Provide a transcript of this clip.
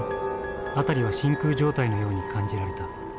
辺りは真空状態のように感じられた。